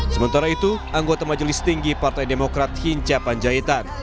sementara itu anggota majelis tinggi partai demokrat hinca panjaitan